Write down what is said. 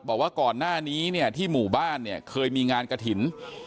บอกว่าก่อนหน้านี้เนี่ยที่หมู่บ้านเนี่ยเคยมีงานกระถิ่น